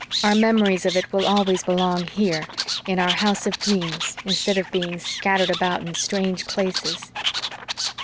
Our memories of it will always belong here, in our house of dreams, instead of being scattered about in strange places."